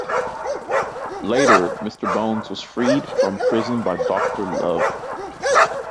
Later, Mr. Bones was freed from prison by Doctor Love.